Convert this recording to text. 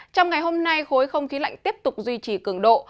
trong ngày hôm nay khối không khí lạnh tiếp tục duy trì cường độ